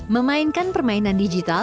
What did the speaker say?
memainkan permainan digital